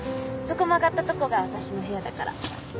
そこ曲がったとこが私の部屋だから。